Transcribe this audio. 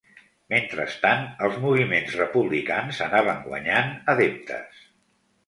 Mentrestant, els moviments republicans anaven guanyant adeptes.